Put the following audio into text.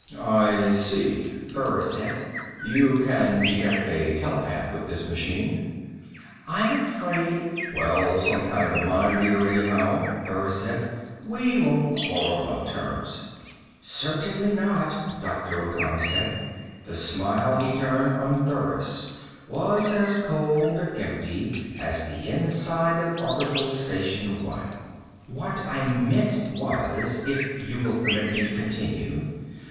"I see," Burris said. "You can detect a telepath with this machine." "I'm afraid " "Well, some kind of a mind reader anyhow," Burris said. "We won't quarrel about terms." "Certainly not," Dr. O'Connor said. The smile he turned on Burris was as cold and empty as the inside of Orbital Station One. "What I meant was ... if you will permit me to continue